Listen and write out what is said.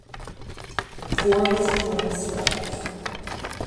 Four of his poems survive.